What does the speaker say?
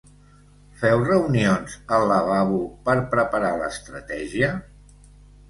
Feu reunions al lavabo per preparar l'estratègia?